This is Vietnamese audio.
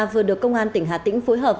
vừa được công an tỉnh hà tĩnh phối hợp